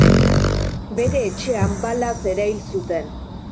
Bere etxean balaz erail zuten.